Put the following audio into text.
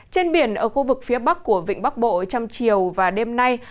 trên biển ở khu vực phía bắc của vịnh bắc bộ trong chiều và đêm nay